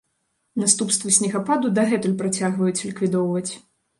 Наступствы снегападу дагэтуль працягваюць ліквідоўваць.